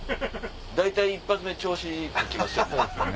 大体１発目調子こきますよね